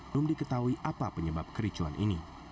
belum diketahui apa penyebab kericuan ini